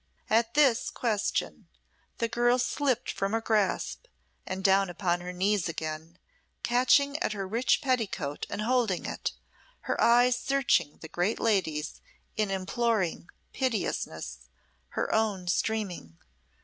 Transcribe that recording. At this question the girl slipped from her grasp and down upon her knees again, catching at her rich petticoat and holding it, her eyes searching the great lady's in imploring piteousness, her own streaming.